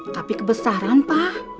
tapi kebesaran pak